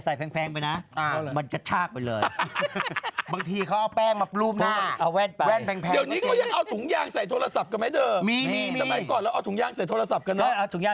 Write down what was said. ใส่พี่เขาก็ใช้ประหยัดด้วย